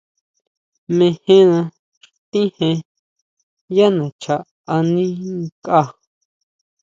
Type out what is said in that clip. Mejena xtíjen yá nacha ani nkʼa.